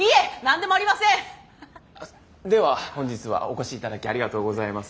では本日はお越し頂きありがとうございます。